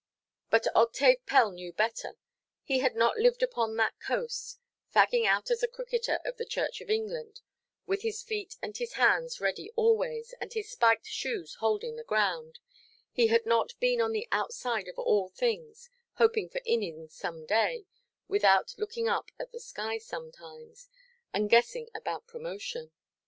But Octave Pell knew better. He had not lived upon that coast, fagging out as a cricketer of the Church of England, with his feet and his hands ready always, and his spiked shoes holding the ground,—he had not been on the outside of all things, hoping for innings some day, without looking up at the skies sometimes, and guessing about promotion.